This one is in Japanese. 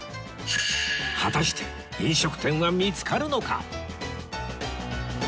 果たして飲食店は見つかるのか？